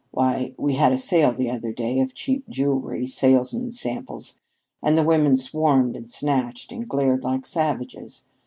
Why, we had a sale the other day of cheap jewelry, salesmen's samples, and the women swarmed and snatched and glared like savages.